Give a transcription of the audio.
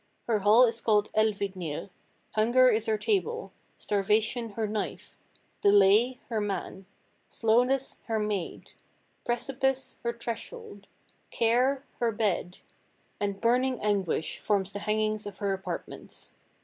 Her hall is called Elvidnir; Hunger is her table; Starvation, her knife; Delay, her man; Slowness, her maid; Precipice, her threshold; Care, her bed; and Burning Anguish forms the hangings of her apartments.